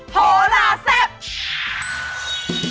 โหลาแซ่บ